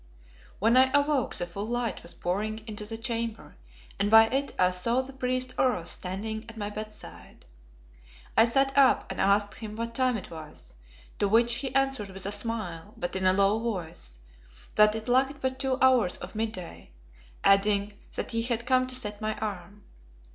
When I awoke the full light was pouring into the chamber, and by it I saw the priest Oros standing at my bedside. I sat up and asked him what time it was, to which he answered with a smile, but in a low voice, that it lacked but two hours of mid day, adding that he had come to set my arm.